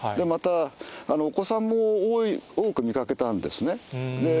また、お子さんも多く見かけたんですね。